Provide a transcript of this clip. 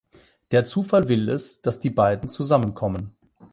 Der Zufall will es, dass die beiden zusammenkommen.